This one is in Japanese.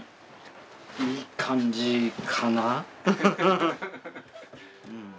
いい感じかな。